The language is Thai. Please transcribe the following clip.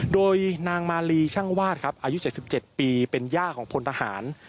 โดยนางมาลีช่างวาดครับอายุ๗๗ปีเป็นย่าของพลทหาร